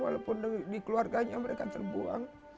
walaupun di keluarganya mereka terbuang